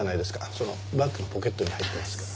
そのバッグのポケットに入ってますから。